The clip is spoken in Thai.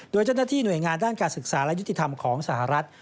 โดยเจ้าหน้าที่หน่วยงานด้านการศึกษาและยุติธรรมของสหรัฐ